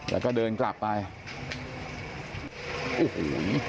แล้วก็เดินกลับไปโอ้โห